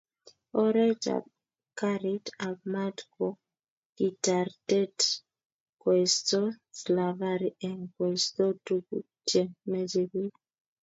Oret ab karit ab mat ko kitartet koesto slavari, eng koisto tukuk chemeche bik.